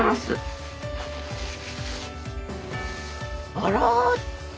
あら！